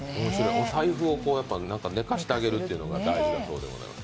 お財布を寝かせてあげるっていうのが大事だそうです。